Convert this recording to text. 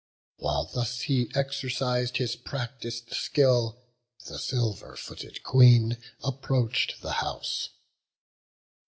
While thus he exercis'd his practis'd skill, The silver footed Queen approach'd the house.